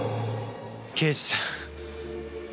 刑事さん。